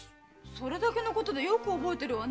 それだけでよく覚えてるわね。